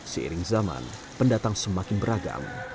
seiring zaman pendatang semakin beragam